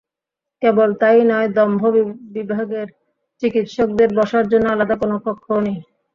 কেবল তা-ই নয়, দন্ত বিভাগের চিকিৎসকদের বসার জন্য আলাদা কোনো কক্ষও নেই।